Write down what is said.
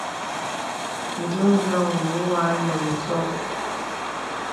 N̄zɔ̄ zam wɔ à lɛm zɔ̄ ɛ.